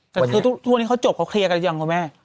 แต่คือทุกวันนี้เขาจบเขาเคลียร์กันหรือยังคุณแม่